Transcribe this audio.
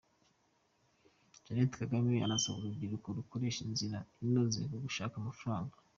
Jeannette Kagame arasaba urubyiruko gukoresha inzira inoze mu gushaka amafaranga